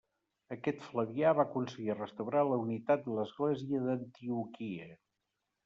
Aquest Flavià va aconseguir restaurar la unitat de l'església d'Antioquia.